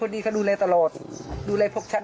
ครูจะฆ่าแม่ไม่รักตัวเอง